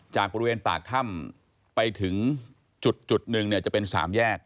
จากบริเวณปากถ้ำไปถึงจุดหนึ่งเนี่ยจะเป็น๓แยก